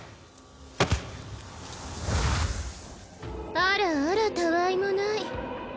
あらあらたわいもない。